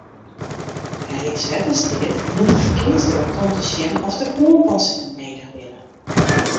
Rykswettersteat mjit de ferkearsdrokte om te sjen oft der oanpassingen nedich binne.